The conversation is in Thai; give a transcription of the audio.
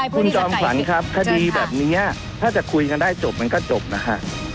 คุณจอมขวัญครับคดีแบบนี้ถ้าจะคุยกันได้จบมันก็จบนะฮะ